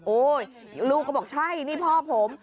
ลูกก็บอกใช่นี่พ่อผม